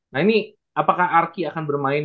nah ini apakah arki akan bermain